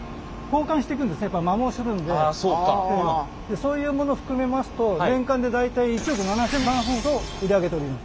そういうもの含めますと年間で大体１億７，０００万ほど売り上げております。